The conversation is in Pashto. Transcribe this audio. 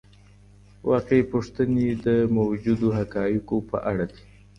واقعي پوښتنې د موجودو حقایقو په اړه دي.